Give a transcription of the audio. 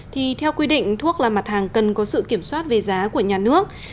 thì theo quy định thuốc là mặt hàng cần có sự kiểm soát về giá của nhà nước